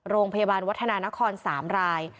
โรงพยาบาลวัฒนานคร๓ราย